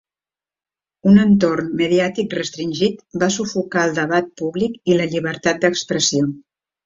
Un entorn mediàtic restringit va sufocar el debat públic i la llibertat d'expressió.